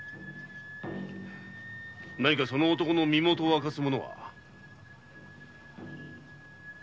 何かその男の身元を明かすものは？